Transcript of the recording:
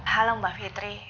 halo mbak fitri